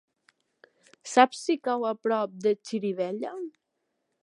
Saps si cau a prop de Xirivella?